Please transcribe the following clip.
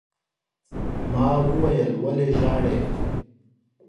ما وويل: ولې ژاړې؟